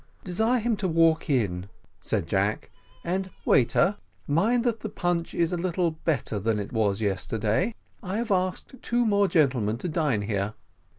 "Desire him to walk in," said Jack: "and, waiter, mind that the punch is a little better than it was yesterday; I have asked two more gentlemen to dine here."